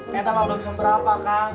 kita mau bisa berapa kang